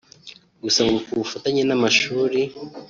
Gusa ngo ku bufatanye n’amashuri